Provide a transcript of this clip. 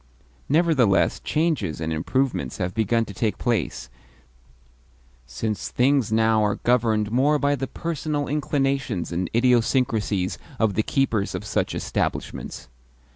Nevertheless changes and improvements have begun to take place, since things now are governed more by the personal inclinations and idiosyncracies of the keepers of such establishments.